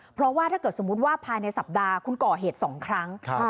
เพราะว่าถ้าเกิดสมมุติว่าภายในสัปดาห์คุณก่อเหตุ๒ครั้ง